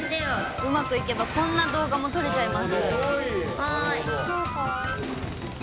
うまくいけばこんな動画も撮れちゃいます。